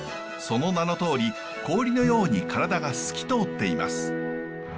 その名のとおり氷のように体が透き通っています。